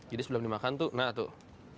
jadi sebelum dimakan tuh nah tuh